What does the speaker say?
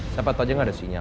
siapa tau aja gak ada sinyal